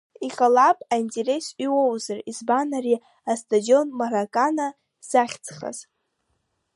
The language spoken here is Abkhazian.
Иҟалап интересс иуоузар, избан ари астадион Маракана захьӡхаз.